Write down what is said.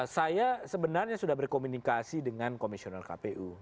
saya sebenarnya sudah berkomunikasi dengan komisioner kpu